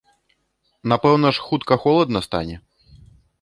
Напэўна ж, хутка холадна стане?